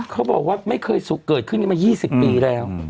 เขาบอกว่าไม่เคยเกิดขึ้นกันมา๒๐ปีแล้ว